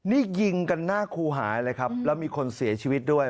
นี่ยิงกันหน้าครูหายเลยครับแล้วมีคนเสียชีวิตด้วย